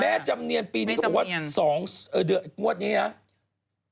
แม่จำเนียนปีนี้ก็บอกว่า๒เอ่อเดี๋ยวอีกงวดอย่างนี้